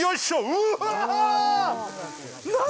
うわ！